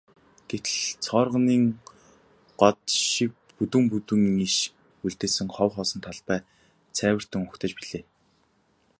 Гэтэл цооргонын год шиг бүдүүн бүдүүн иш үлдээсэн хов хоосон талбай цайвартан угтаж билээ.